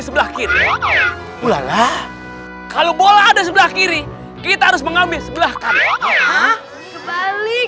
sebelah kiri bola lah kalau bola ada sebelah kiri kita harus mengambil sebelah kanan